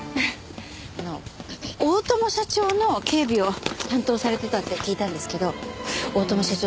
あの大友社長の警備を担当されてたって聞いたんですけど大友社長